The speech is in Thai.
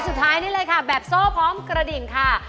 สุดท้ายนี่เลยค่ะแบบโซ่พร้อมกระดิ่งค่ะ